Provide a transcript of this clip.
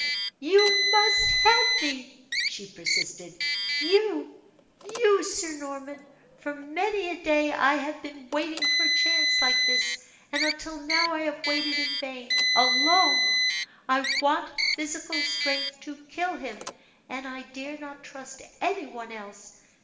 "You must help me!" she persisted. "You you, Sir Norman! For many a day I have been waiting for a chance like this, and until now I have waited in vain. Alone, I want physical strength to kill him, and I dare not trust any one else.